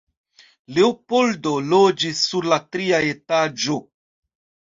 Leopoldo loĝis sur la tria etaĝo.